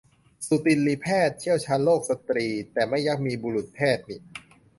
สูตินรีแพทย์ เชี่ยวชาญโรคสตรี แต่ไม่ยักมี บุรุษแพทย์นิ